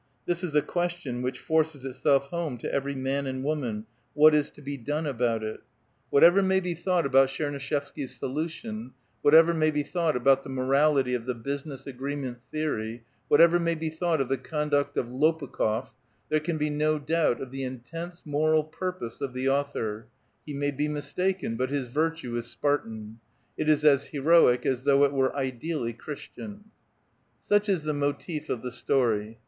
This is a question which forces itself home to every man and woman, " What is to be done about it?" Whatever may be thought about * PREFACE. Tchernuishevsky's solation, whatever may be thought about the morality of the business agreement theory, whatever may be thought of the conduct of Lopukh6f, there can be no doubt of the intense moral purpose of the author ; he may be mistaken, but his virtue is Spartan ; it is as heroic as tbou<;h it were ideal! v Christian. Such is the motive of the story.